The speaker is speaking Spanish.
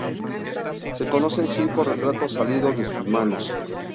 Se conocen cinco retratos salidos de sus manos.